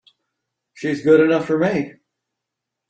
She's good enough for me!